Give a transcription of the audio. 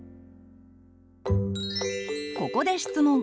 ここで質問。